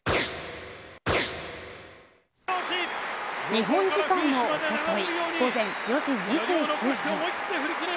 日本時間のおととい午前４時２９分。